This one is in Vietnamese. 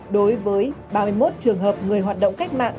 đối với ba mươi một trường hợp người hoạt động cách mạng